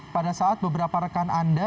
pada saat beberapa rekan anda